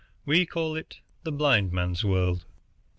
We call it 'The Blindman's World.